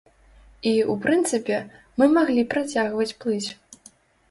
І, у прынцыпе, мы маглі працягваць плыць.